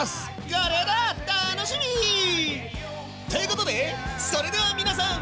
カレーだ楽しみ！ということでそれでは皆さん。